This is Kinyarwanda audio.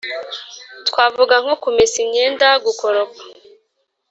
Twavuga nko kumesa imyenda, gukoropa